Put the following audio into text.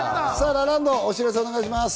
ラランド、お知らせお願いします。